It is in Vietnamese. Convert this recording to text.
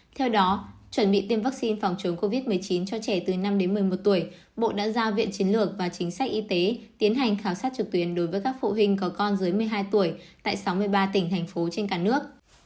theo đó chuẩn bị tiêm vaccine phòng chống covid một mươi chín cho trẻ từ năm đến một mươi một tuổi bộ đã giao viện chiến lược và chính sách y tế tiến hành khảo sát trực tuyến đối với các phụ huynh có con dưới một mươi hai tuổi tại sáu mươi ba tỉnh thành phố trên cả nước